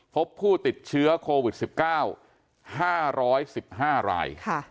พบผู้ติดเชื้อโควิด๑๙๕๑๕ราย